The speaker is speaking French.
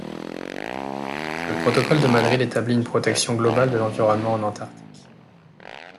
Le Protocole de Madrid établit une protection globale de l'environnement en Antarctique.